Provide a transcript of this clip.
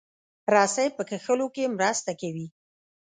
رسۍ په کښلو کې مرسته کوي.